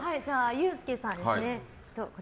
ユースケさんですね。